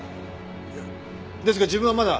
いやですが自分はまだ。